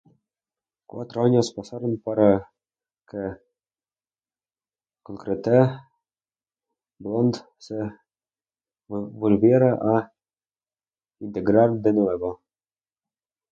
Cuatro años pasaron para que Concrete Blonde se volviera a integrar de nuevo.